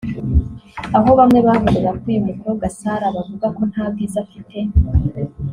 aho bamwe bavugaga ko uyu mukobwa Sarah bavuga ko nta bwiza afite